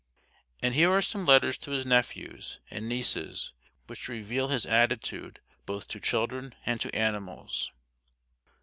And here are some letters to his nephews and nieces which reveal his attitude both to children and to animals.